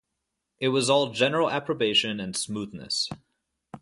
It was all general approbation and smoothness.